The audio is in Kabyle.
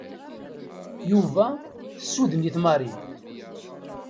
Yuba tessuden-it Marie.